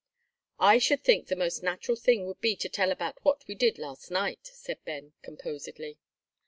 "I should think the most natural thing would be to tell about what we did last night," said Ben, composedly.